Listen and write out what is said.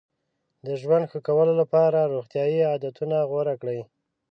د ژوند ښه کولو لپاره روغتیایي عادتونه غوره کړئ.